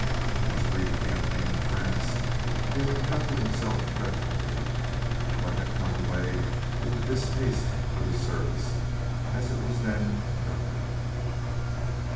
In his brief campaign in France, he had conducted himself creditably, but had come away with a distaste for the service, as it was then conducted.